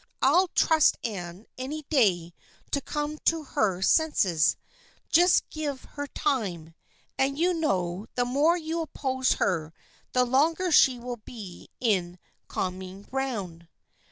I'll trust Anne any day to come to her senses. Just give her time. And you know the more you oppose her the longer she will be in com ing round."